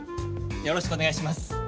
よろしくお願いします。